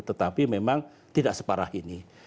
tetapi memang tidak separah ini